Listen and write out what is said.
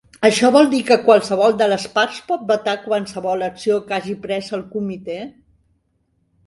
Això vol dir que qualsevol de les parts pot vetar qualsevol acció que hagi pres el comitè.